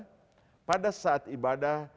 jadi persiapan dari belum ibadah